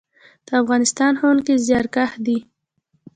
د افغانستان ښوونکي زیارکښ دي